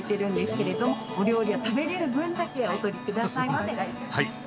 けれどお料理は食べれる分だけお取りくださいませ。